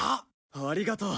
ありがとう！